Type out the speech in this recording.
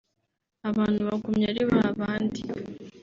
abantu bagumya ari babandi